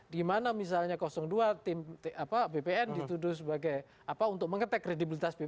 dimana misalnya dua tim bpn dituduh sebagai apa untuk mengetek kredibilitas bp